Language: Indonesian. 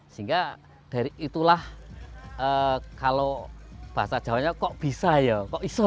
sehingga dari itulah kalau bahasa jawanya kok bisa ya kok iso